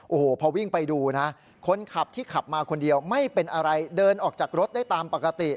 โอ้โหพอวิ่งไปดูนะคนขับที่ขับมาคนเดียวไม่เป็นอะไรเดินออกจากรถได้ตามปกติ